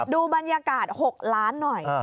ดูบรรยากาศ๖ล้านหน่อย